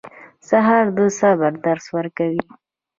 سهار د صبر درس ورکوي.